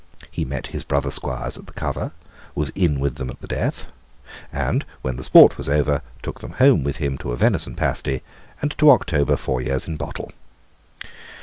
He met his brother squires at the cover, was in with them at the death, and, when the sport was over, took them home with him to a venison pasty and to October four years in bottle.